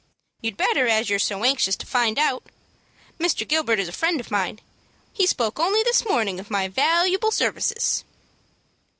"You'd better, as you're so anxious to find out. Mr. Gilbert is a friend of mine. He spoke only this morning of my valooable services."